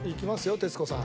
徹子さん。